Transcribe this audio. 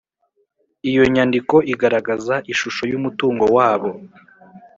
Iyo nyandiko igaragaza ishusho y’umutungo wabo